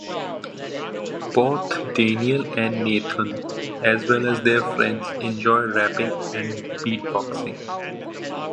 Both Daniel and Nathan, as well as their friends, enjoy rapping and beatboxing.